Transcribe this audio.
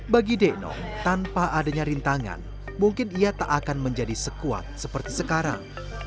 bagi deno tanpa adanya rintangan mungkin ia tak akan menjadi sekuat seperti sekarang